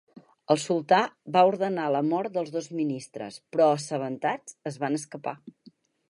El sultà va ordenar la mort dels dos ministres però assabentats es van escapar.